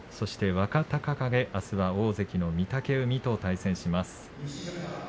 若隆景は、あす大関の御嶽海と対戦します。